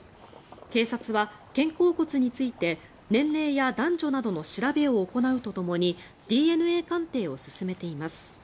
警察は肩甲骨について年齢や男女などの調べを行うとともにＤＮＡ鑑定を進めています。